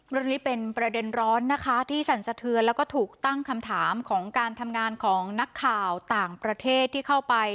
เรื่องนี้เป็นประเด็นร้อนนะคะที่สั่นสะเทือนแล้วก็ถูกตั้งคำถามของการทำงานของนักข่าวต่างประเทศที่เข้าไป